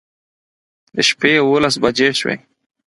د شپې يوولس بجې شوې